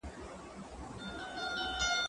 زه به سبا زده کړه کوم،